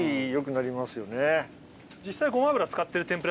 実際。